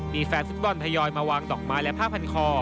มีแฟนฟุตบอลทยอยมาวางดอกไม้และผ้าพันคอ